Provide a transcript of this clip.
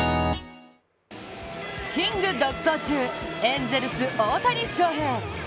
キング独走中、エンゼルス・大谷翔平。